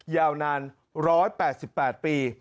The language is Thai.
ยาวนาน๑๘๘ปี